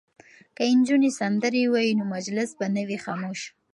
که نجونې سندرې ووايي نو مجلس به نه وي خاموش.